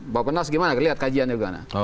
bapak pendas gimana kelihat kajiannya gimana